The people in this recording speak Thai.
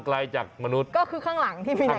ใกล้จากมนุษย์ก็คือข้างหลังที่มีแหล่งน้ำ